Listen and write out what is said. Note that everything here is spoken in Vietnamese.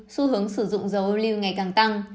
xu hướng sử dụng dầu ô lưu ngày càng tăng